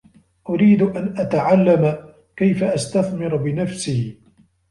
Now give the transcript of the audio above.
أريد أن أتعلّم كيف أستثمر بنفسي.